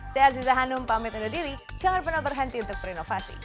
saya aziza hanum pamit undur diri jangan pernah berhenti untuk berinovasi